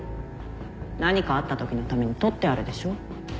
何かあったときのために撮ってあるでしょ？